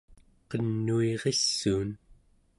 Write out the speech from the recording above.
qenuirissuun